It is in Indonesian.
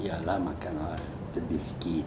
ya lah makanlah lebih sedikit